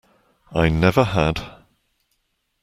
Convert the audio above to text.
I never had.